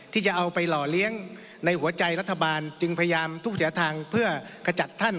ที่จะเอาไปหล่อเลี้ยงในหัวใจรัฐบาลจึงพยายามทุกเสียทางเพื่อขจัดท่าน